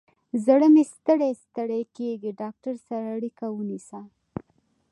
زړه مې ستړی ستړي کیږي، ډاکتر سره اړیکه ونیسه